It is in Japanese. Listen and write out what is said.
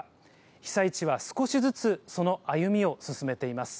被災地は少しずつ、その歩みを進めています。